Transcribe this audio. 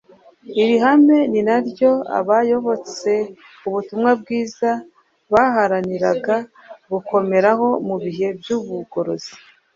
Iri hame ni naryo abayobotse ubutumwa bwiza baharaniraga gukomeraho mu bihe by’Ubugorozi.